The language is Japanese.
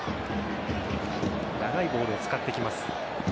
長いボールを使ってきます。